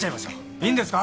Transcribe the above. いいんですか？